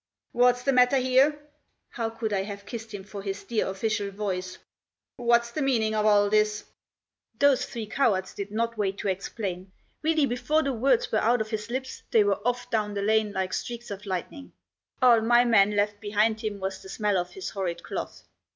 "What's the matter here?" How I could have kissed him for his dear official voice. " What's the meaning of all this ?" Digitized by 86 THE JOSS. Those three cowards did not wait to explain. Really before the words were out of his lips they were off down the lane like streaks of lightning. All my man left behind him was the smell of his horrid cloth.